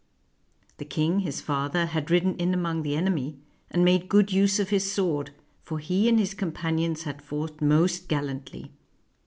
The king, his father, had ridden in among the enemy, and made good use of his sword; for he and his companions had fought most gallantly.